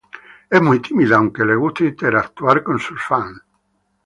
Es muy tímida, aunque le gusta interactuar con sus fans.